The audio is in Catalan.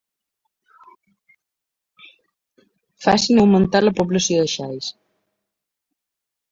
Facin augmentar la població de xais.